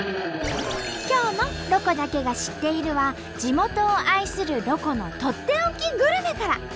今日の「ロコだけが知っている」は地元を愛するロコのとっておきグルメから。